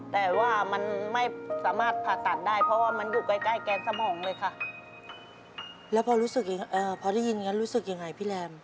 แล้วพอได้ยินรู้สึกยังไงพี่แรม